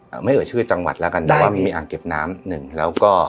ไม่เอ่ยชื่อจังหวัดแล้วกันแต่ว่ามีอ่างเก็บน้ำหนึ่งแล้วก็